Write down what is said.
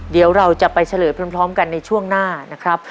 เดี๋ยวเราจะไปเฉลยพร้อมกันในช่วงหน้านะครับ